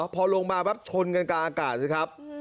พอลงมาปั๊บชนกันกลางอากาศสิครับ